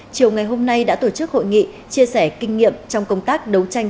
chiều ngày hôm nay đã tổ chức hội nghị chia sẻ kinh nghiệm trong công tác đấu tranh